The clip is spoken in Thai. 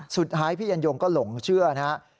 สุดท้ายพี่ยันยงก็หลงเชื่อนะครับ